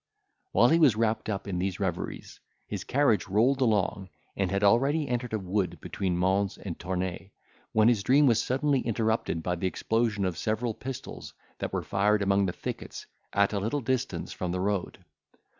While he was wrapped up in these reveries, his carriage rolled along, and had already entered a wood between Mons and Tournay, when his dream was suddenly interrupted by the explosion of several pistols that were fired among the thickets at a little distance from the road.